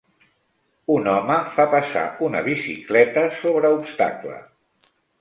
Un home fa passar una bicicleta sobre obstacle